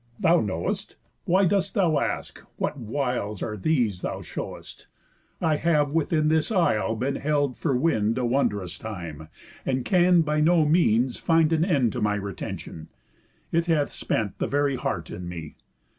'Thou know'st. Why dost thou ask? What wiles are these thou show'st? I have within this isle been held for wind A wondrous time, and can by no means find An end to my retention. It hath spent The very heart in me.